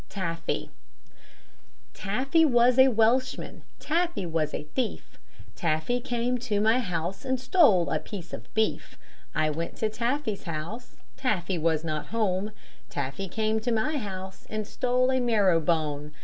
TAFFY Taffy was a Welshman, Taffy was a thief, Taffy came to my house and stole a piece of beef; I went to Taffy's house, Taffy was not home; Taffy came to my house and stole a marrow bone.